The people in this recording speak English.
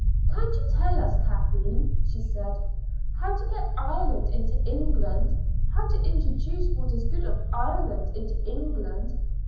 "Can't you tell us, Kathleen," she said, "how to get Ireland into England how to introduce what is good of Ireland into England?